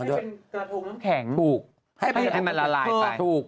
ทุกกราโทงต้องถูก